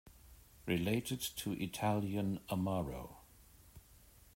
Related to Italian amaro.